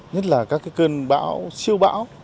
nhất là các cơn bão siêu bão